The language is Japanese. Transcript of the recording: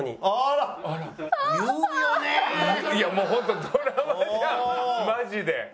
いやもうホントドラマじゃんマジで！